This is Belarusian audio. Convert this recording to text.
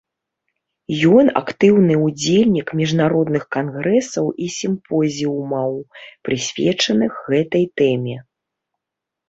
Ён актыўны ўдзельнік міжнародных кангрэсаў і сімпозіумаў, прысвечаных гэтай тэме.